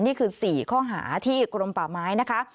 นี่คือ๔ข้อหาที่กรมป่าไม้นะคะ